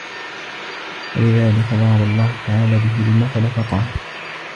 وَلِذَلِكَ ضَرَبَ اللَّهُ تَعَالَى بِهِ الْمَثَلَ فَقَالَ